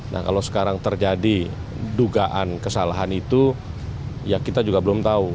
nah kalau sekarang terjadi dugaan kesalahan itu ya kita juga belum tahu